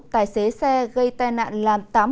tài xế xe gây tai nạn làm